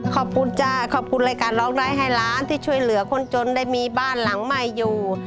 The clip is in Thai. ขอบคุณจ้าขอบคุณรายการร้องได้ให้ล้านที่ช่วยเหลือคนจนได้มีบ้านหลังใหม่อยู่